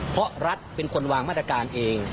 เพราะรัฐเป็นคนวางมาตรการเอง